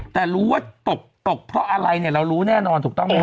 แต่รู้ว่าตกเผาะอะไรเรารู้แน่นอนถูกต้องมั้ยครับ